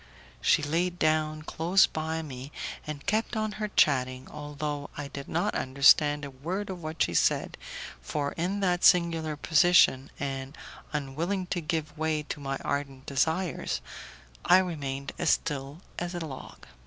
She laid down close by me, and kept on her chatting, although I did not understand a word of what she said, for in that singular position, and unwilling to give way to my ardent desires, I remained as still as a log.